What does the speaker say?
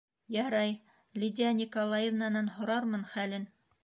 Ярай, Лидия Николаевнанан һорармын хәлен...